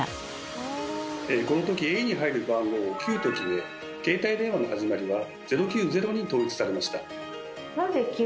この時「ａ」に入る番号を「９」と決め携帯電話の始まりは「０９０」に統一されました。